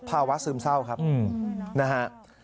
ภาวะซึมเศร้าครับอืมนะฮะ